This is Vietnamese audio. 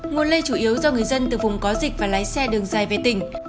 nguồn lây chủ yếu do người dân từ vùng có dịch và lái xe đường dài về tỉnh